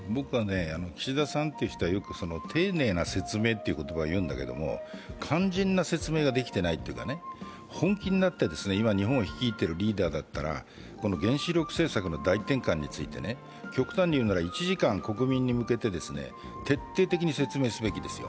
岸田さんという人は丁寧な説明とよく言うんだけど肝心な説明ができていないというか、本気になって今、日本を率いてるリーダーだったら、この原子力政策の大転換について、極端に言うなら、１時間国民に向けて、徹底的に説明すべきですよ。